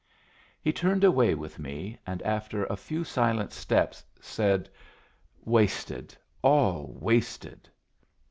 He turned away with me, and after a few silent steps said, "Wasted! all wasted!"